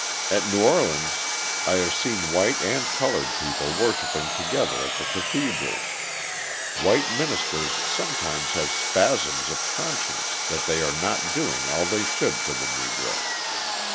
At New Orleans, I have seen white and coloured people worshipping together at the cathedrals. White ministers sometimes have spasms of conscience that they are not doing all they should for the Negro.